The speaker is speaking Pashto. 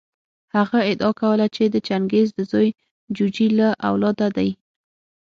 هغه ادعا کوله چې د چنګیز د زوی جوجي له اولاده دی.